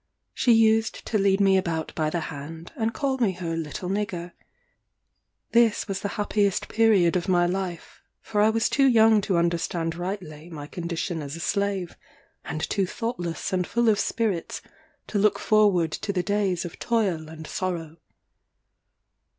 She used to lead me about by the hand, and call me her little nigger. This was the happiest period of my life; for I was too young to understand rightly my condition as a slave, and too thoughtless and full of spirits to look forward to the days of toil and sorrow.